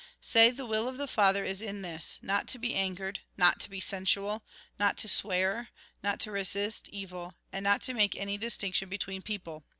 " Say, The will of the Father is in this : Not to be angered, not to be sensual, not to swear, not to resist evil, and not to make any distinction be tween people.